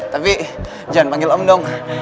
tapi jangan panggil om dong